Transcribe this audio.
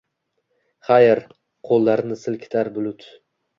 Xayr, qoʻllarini silkitar bulut